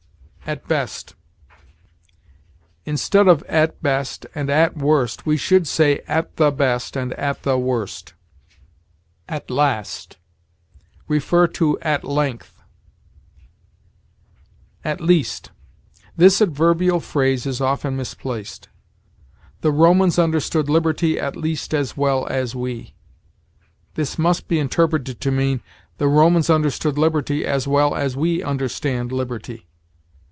AT BEST. Instead of at best and at worst, we should say at the best and at the worst. AT LAST. See AT LENGTH. AT LEAST. This adverbial phrase is often misplaced. "'The Romans understood liberty at least as well as we.' This must be interpreted to mean, 'The Romans understood liberty as well as we understand liberty.'